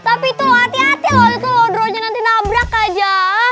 tapi tuh hati hati loh itu laudro nya nanti nabrak aja